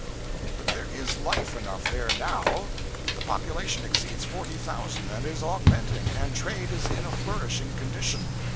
But there is life enough there now. The population exceeds forty thousand and is augmenting, and trade is in a flourishing condition.